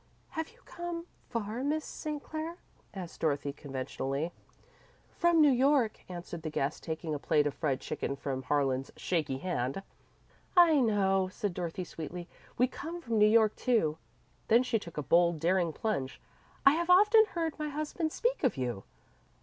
"Have you come far, Miss St. Clair?" asked Dorothy, conventionally. "From New York," answered the guest, taking a plate of fried chicken from Harlan's shaky hand. "I know," said Dorothy sweetly. "We come from New York, too." Then she took a bold, daring plunge. "I have often heard my husband speak of you."